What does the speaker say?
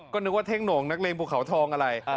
ก็นึกว่าเท่งหน่องนักเรงปุ๊บเขาท้อง